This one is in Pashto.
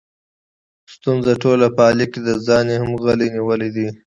ستونزه ټوله په علي کې ده، ځان یې هم غلی نیولی دی.